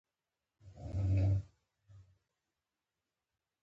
ایټور وویل، ته تورن نه شې کېدای، ځکه ایټالوي ژبه دې بشپړه نه ده.